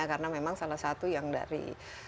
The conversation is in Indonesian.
karena memang salah satu yang dari